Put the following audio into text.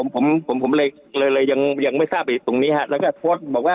ผมเลยเลยยังไม่ทราบไปตรงนี้ฮะแล้วก็โค้ดบอกว่าก็ถามเด็กว่า